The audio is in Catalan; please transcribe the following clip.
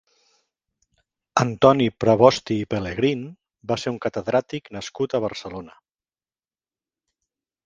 Antoni Prevosti i Pelegrín va ser un catedràtic nascut a Barcelona.